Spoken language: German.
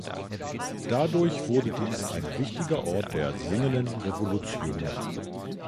Dadurch wurde dies ein wichtiger Ort der Singenden Revolution.